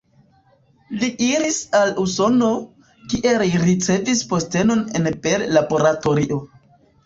Li iris al Usono, kie li ricevis postenon en Bell Laboratorio.